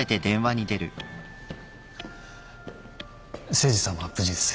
誠司さんは無事です。